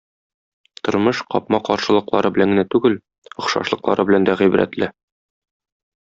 Тормыш капма-каршылыклары белән генә түгел, охшашлыклары белән дә гыйбрәтле.